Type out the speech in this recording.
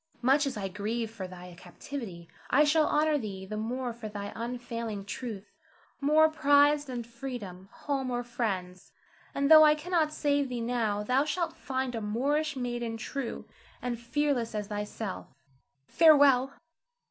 Much as I grieve for thy captivity, I shall honor thee the more for thy unfailing truth, more prized than freedom, home, or friends. And though I cannot save thee now, thou shalt find a Moorish maiden true and fearless as thyself. Farewell!